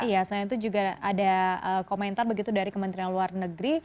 ya selain itu juga ada komentar begitu dari kementerian luar negeri